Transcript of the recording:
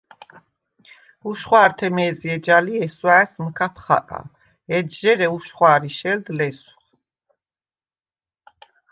უშხვა̄რთე მე̄ზი ეჯა ლი, ჲესვა̄̈ჲს მჷქაფ ხაყა, ეჯჟ’ ე̄რე უშხვა̄რი შელდ ლესვხ.